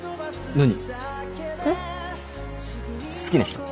好きな人？